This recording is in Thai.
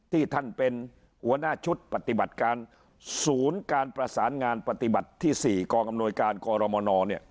ที่ท่านเป็นหัวหน้าชุดปฏิบัติการศูนย์การประสานงานปฏิบัติที่๔กองอำนวยการกรมน